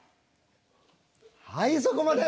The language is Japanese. はいそこまで。